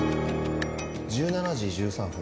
１７時１３分